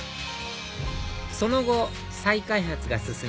その後再開発が進み